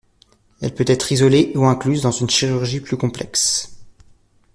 Elle peut être isolée ou incluse dans une chirurgie plus complexe.